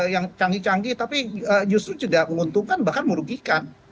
yang canggih canggih tapi justru tidak menguntungkan bahkan merugikan